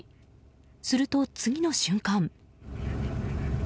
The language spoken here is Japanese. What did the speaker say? すると、次の瞬間。